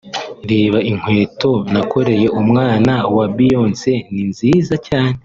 “Reba inkweto nakoreye umwana wa Beyonce…Ni nziza cyane